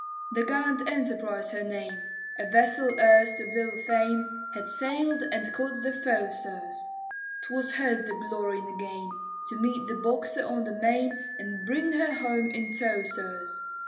The gallant Enterprise her name, A vessel erst of little fame, Had sail'd and caught the foe, sirs; 'Twas hers the glory and the gain, To meet the Boxer on the main, And bring her home in tow, sirs.